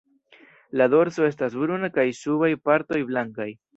La dorso estas bruna kaj subaj partoj blankaj.